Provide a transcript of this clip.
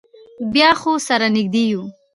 بیا خو سره نږدې یو.